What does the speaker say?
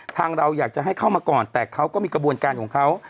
เราอยากจะให้เข้ามาก่อนแต่เขาก็มีกระบวนการของเขา